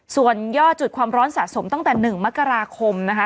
ส่วนยอดจุดความร้อนสะสมตั้งแต่๑มกราคมนะคะ